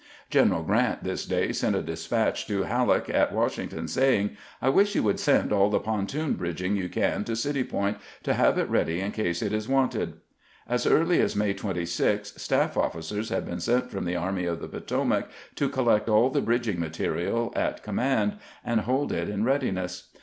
Greneral Q rant this day sent a despatch to Hal leek at Washington saying :" I wish you would send all the pontoon bridging you can to City Point to have it ready in case it is wanted." As early as May 26 staff oflS.eers had been sent from the Army of the Potomac to collect all the bridging material at command, and hold it in readiness.